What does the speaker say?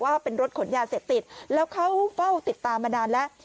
ว่าเป็นรถขนยาเสพติดแล้วเขาเฝ้าติดตามมานานแล้ว